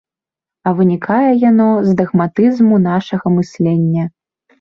А вынікае яно з дагматызму нашага мыслення.